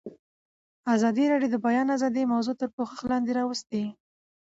ازادي راډیو د د بیان آزادي موضوع تر پوښښ لاندې راوستې.